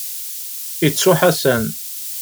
Yettu Ḥasan.